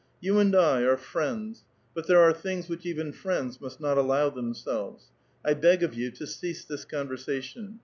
" You and I are friends ; but there are things ''^tiich even friends must not allow themselves. I beg of yovi to cease this conversation.